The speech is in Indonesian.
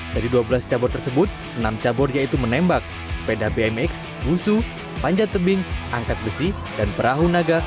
dari dua belas cabur tersebut enam cabur yaitu menembak sepeda bmx wusu panjat tebing angkat besi dan perahu naga